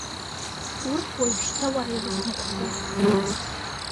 Урҭ уажәшьҭа уара иузныҟәгом.